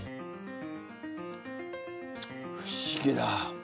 不思議だ！